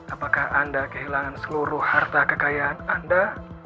apakah anda kehilangan seluruh harta kekayaan anda